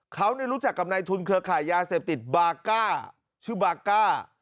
เขารู้จักกับนายทุนเครือขายยาเสพติดบาก้าชื่อบาก้า